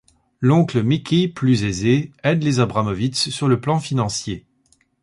L'oncle Mickey, plus aisé, aide les Abramowitz sur le plan financier.